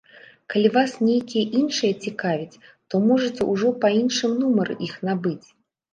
Калі вас нейкія іншыя цікавяць, то можаце ўжо па іншым нумары іх набыць.